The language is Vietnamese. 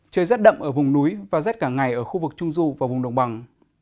trời rét đậm ở vùng núi và rét cả ngày ở khu vực trung du và vùng đồng bằng